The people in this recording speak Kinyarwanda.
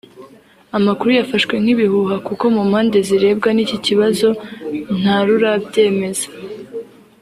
amakuru yafashwe nk’ibihuha kuko mu mpande zirebwa n’iki kibazo ntarurabyemeza